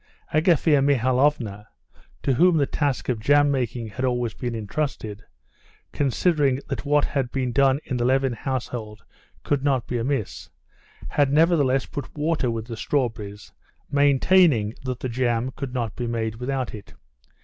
Agafea Mihalovna, to whom the task of jam making had always been intrusted, considering that what had been done in the Levin household could not be amiss, had nevertheless put water with the strawberries, maintaining that the jam could not be made without it.